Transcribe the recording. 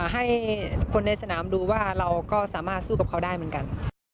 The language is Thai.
ให้คนในสนามดูว่าเราก็สามารถสู้กับเขาได้เหมือนกัน